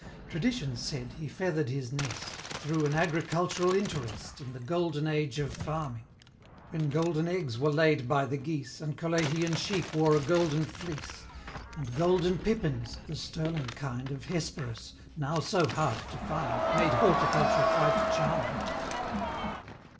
Tradition said he feather'd his nest Through an Agricultural Interest In the Golden Age of Farming; When golden eggs were laid by the geese, And Colehian sheep wore a golden fleece, And golden pippins the sterling kind Of Hesperus now so hard to find Made Horticulture quite charming!